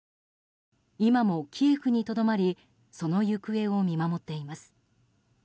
今もキエフにとどまりその行方を見守っています。